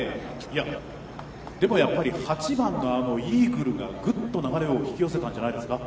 いや、でもやっぱり、８番のイーグルが、ぐっと流れを引き寄せたんじゃないですか？